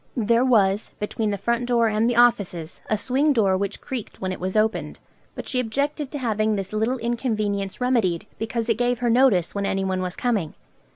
There was, between the front door and the offices, a swing door which creaked when it was opened; but she objected to having this little inconvenience remedied, because it gave her notice when anyone was coming.